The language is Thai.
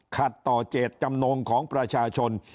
ขัดต่อเจตจำนงของประชาชน